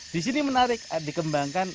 di sini menarik dikembangkan